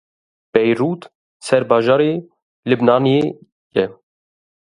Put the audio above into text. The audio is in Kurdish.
Beyrût serbajarê Libnanê ye.